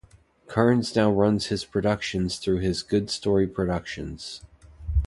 Kearns now runs his productions through his Good Story Productions.